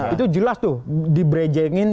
itu jelas tuh dibrejengin